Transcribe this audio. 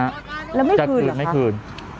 แล้วไม่คืนเหรอคะจะคืนไม่คืน